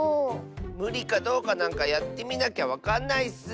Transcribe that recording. むりかどうかなんかやってみなきゃわかんないッス！